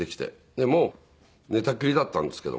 でもう寝たきりだったんですけども。